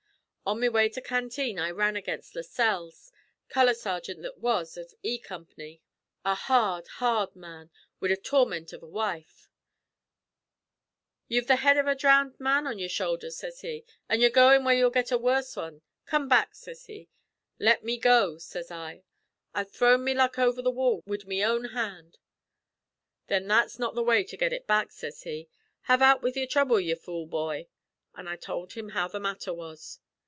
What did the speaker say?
"On me way to canteen I ran against Lascelles, color sergint that was av E Comp'ny a hard, hard man, wid a tormint av a wife. 'You've the head av a drowned man on your shoulders,' sez he, 'an' you're goin' where you'll get a worse wan. Come back,' sez he. 'Let me go,' sez I. 'I've thrown me luck over the wall wid me own hand.' 'Then that's not the way to get ut back,' sez he. 'Have out wid your throuble, ye fool bhoy.' An' I tould him how the matther was.